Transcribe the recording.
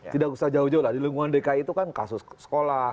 tidak usah jauh jauh lah di lingkungan dki itu kan kasus sekolah